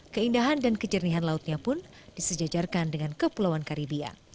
keindahan dan kejernihan lautnya pun disejajarkan dengan kepulauan karibia